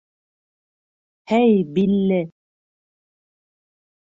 —Һәй, Билле!